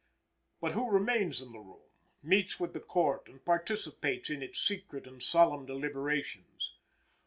But who remains in the room, meets with the Court and participates in its secret and solemn deliberations?